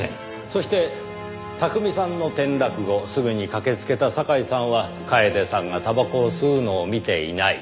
そして巧さんの転落後すぐに駆けつけた堺さんは楓さんがたばこを吸うのを見ていない。